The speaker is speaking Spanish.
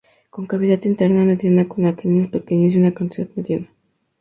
Con cavidad interna mediana, con aquenios pequeños y una cantidad mediana.